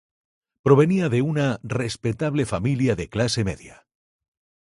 Provenía de una respetable familia de clase media.